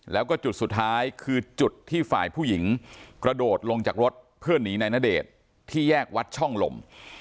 แล้วก็จุดสุดท้ายคือจุดที่ฝ่ายผู้หญิงกระโดดลงจากรถเพื่อหนีนายณเดชน์ที่แยกวัดช่องลม